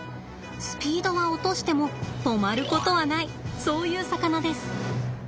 スピードは落としても止まることはないそういう魚です。